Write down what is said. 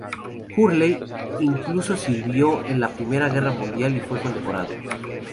Hurley incluso sirvió en la Primera Guerra Mundial y fue condecorado.